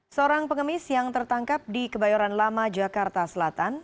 seorang pengemis yang tertangkap di kebayoran lama jakarta selatan